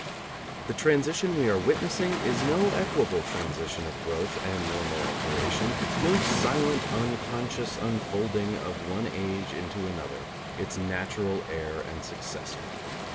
The transition we are witnessing is no equable transition of growth and normal alteration; no silent, unconscious unfolding of one age into another, its natural heir and successor.